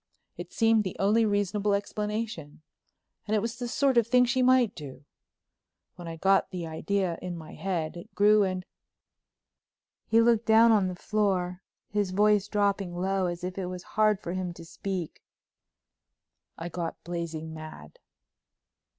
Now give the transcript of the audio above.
It seemed the only reasonable explanation—and it was the sort of thing she might do. When I got the idea in my head it grew and," he looked down on the floor, his voice dropping low as if it was hard for him to speak, "I got blazing mad."